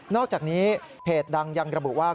อกจากนี้เพจดังยังระบุว่า